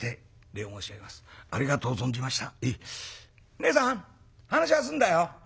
ねえさん話は済んだよ。